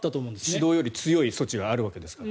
指導より強い措置があるわけですからね。